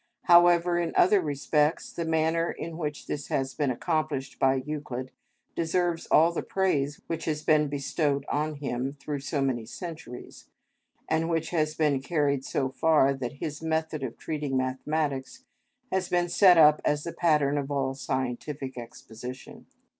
However, in other respects the manner in which this has been accomplished by Euclid deserves all the praise which has been bestowed on him through so many centuries, and which has been carried so far that his method of treating mathematics has been set up as the pattern of all scientific exposition.